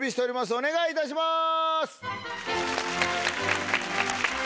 お願いいたします。